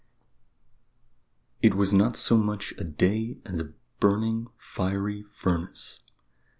It was not so much a day as a burning, fiery furnace.